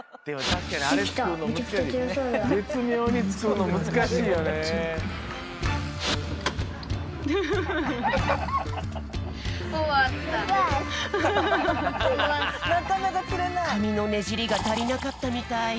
かみのねじりがたりなかったみたい。